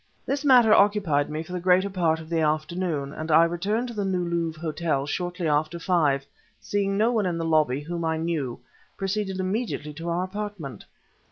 This matter occupied me for the greater part of the afternoon, and I returned to the New Louvre Hotel shortly after five, and seeing no one in the lobby whom I knew, proceeded immediately to our apartment.